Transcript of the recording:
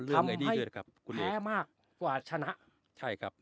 แพ้มากกว่าชนะใช่ครับ